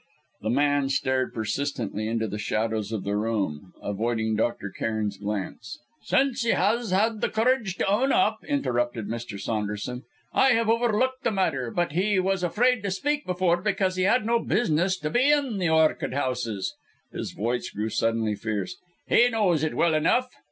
The man stared persistently into the shadows of the room, avoiding Dr. Cairn's glance. "Since he has had the courage to own up," interrupted Mr. Saunderson, "I have overlooked the matter: but he was afraid to speak before, because he had no business to be in the orchid houses." His voice grew suddenly fierce "He knows it well enough!"